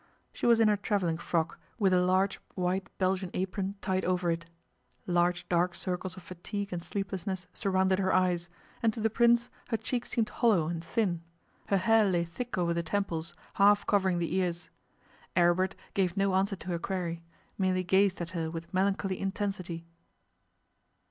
She was in her travelling frock, with a large white Belgian apron tied over it. Large dark circles of fatigue and sleeplessness surrounded her eyes, and to the Prince her cheek seemed hollow and thin; her hair lay thick over the temples, half covering the ears. Aribert gave no answer to her query merely gazed at her with melancholy intensity.